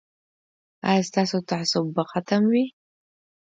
ایا ستاسو تعصب به ختم وي؟